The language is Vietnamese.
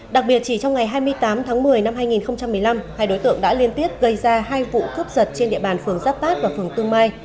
đặc biệt chỉ trong ngày hai mươi tám tháng một mươi năm hai nghìn một mươi năm hai đối tượng đã liên tiếp gây ra hai vụ cướp giật trên địa bàn phường giáp bát và phường tương mai